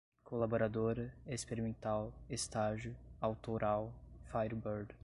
colaboradora, experimental, estágio, autoral, firebird